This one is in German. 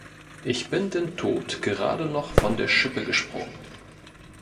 Ich bin dem Tod gerade noch von der Schippe gesprungen.